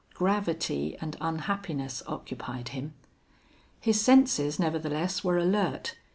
Gravity and unhappiness occupied him. His senses, nevertheless, were alert.